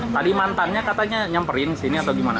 tadi mantannya katanya nyamperin kesini atau gimana